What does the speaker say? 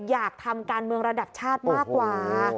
อยากทำการเมืองระดับชาติมากกว่า